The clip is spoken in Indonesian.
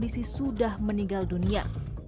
sudah meninggal dunia